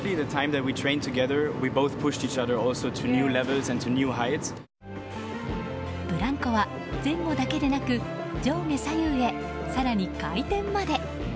ブランコは前後だけでなく上下左右へ、更に回転まで。